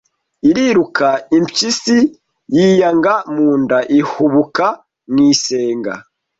Iriruka Impyisi biyanga mu nda, ihubuka mu isenga,